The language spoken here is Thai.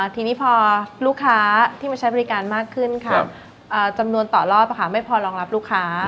ทีนี้พอลูกค้าที่มาใช้บริการมากขึ้นค่ะจำนวนต่อรอบไม่พอรองรับลูกค้า